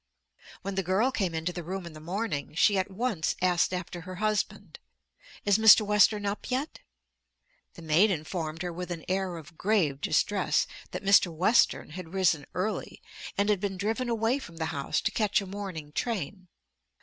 When the girl came into the room in the morning she at once asked after her husband. "Is Mr. Western up yet?" The maid informed her with an air of grave distress that Mr. Western had risen early and had been driven away from the house to catch a morning train.